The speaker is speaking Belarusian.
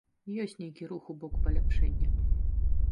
Ёсць нейкі рух у бок паляпшэння.